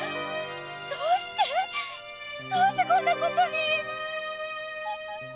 どうして⁉どうしてこんなことに！